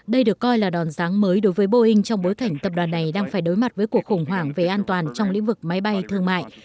đây được coi là đòn sáng mới đối với boeing trong bối cảnh tập đoàn này đang phải đối mặt với cuộc khủng hoảng về an toàn trong lĩnh vực máy bay thương mại